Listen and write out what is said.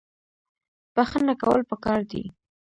بخښنه کول پکار دي